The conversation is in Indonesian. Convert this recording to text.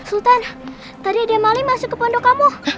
sultan tadi ada maling masuk ke pondok kamu